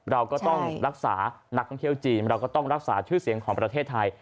เราก็ต้องรักษานักท่องเที่ยวจีนเราก็ต้องรักษาชื่อเสียงของประเทศไทย